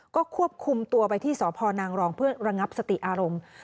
ก็ควบคุมตัวไปที่สพนางรองเพื่อระงับสติอารมณ์